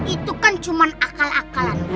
itu kan cuma akal akalan